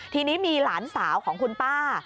ทีนี้มีหลานสาวของคุณป้า